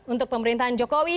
untuk pemerintahan jokowi